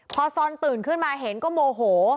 พอซอนตื่นขึ้นมาเห็นก็โมโห